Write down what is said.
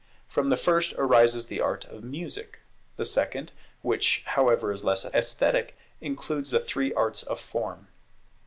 From the first arises the art of Music; the second, which however is less esthetic, includes the three arts of form.